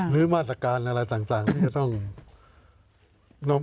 หรือมาตรการอะไรต่างที่จะต้อง